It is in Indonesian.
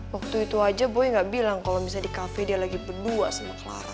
waktu itu aja gue gak bilang kalau misalnya di cafe dia lagi berdua sama clara